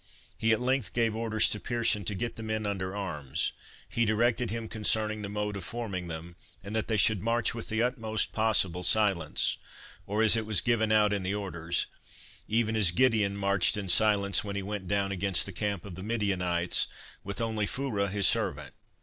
He at length gave orders to Pearson to get the men under arms; he directed him concerning the mode of forming them, and that they should march with the utmost possible silence; or as it was given out in the orders, "Even as Gideon marched in silence when he went down against the camp of the Midianites, with only Phurah his servant.